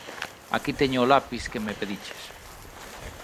Aquí teño o lapis que me pediches.